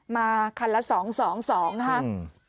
มาคันละ๒๒๒นะครับ